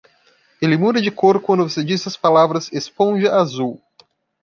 Ele muda de cor quando você diz as palavras "esponja azul".